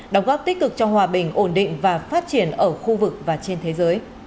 đóng góp tích cực cho hòa bình ổn định và phát triển ở khu vực và trên thế giới